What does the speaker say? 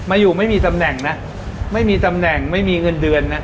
อยู่ไม่มีตำแหน่งนะไม่มีตำแหน่งไม่มีเงินเดือนนะ